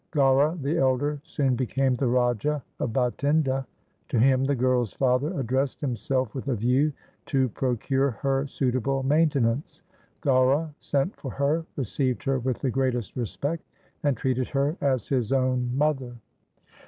Gaura the elder soon became the Raj a of Bhatinda. To him the girl's father addressed himself with a view to procure her suitable maintenance. Gaura sent for her, received her with the greatest respect, and treated her as his own mother.